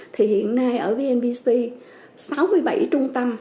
thì hiện nay ở vnpc sáu mươi bảy trung tâm